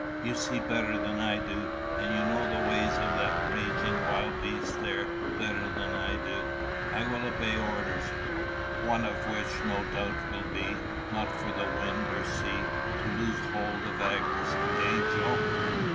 "You see better than I do, and you know the ways of that raging wild beast there better than I do. I will obey orders one of which, no doubt, will be, not for wind or sea to lose hold of Agnes eh, Joe?"